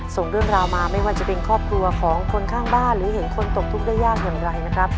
ส่งเรื่องราวมาไม่ว่าจะเป็นครอบครัวของคนข้างบ้านหรือเห็นคนตกทุกข์ได้ยากอย่างไรนะครับ